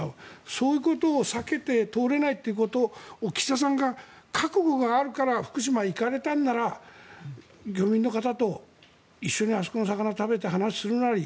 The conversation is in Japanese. そういうことを避けて通れないということを岸田さん、覚悟があるから福島に行かれたなら漁民の方と一緒にあそこの魚を食べて話をするなり